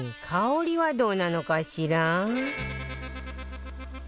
香りはどうなのかしら？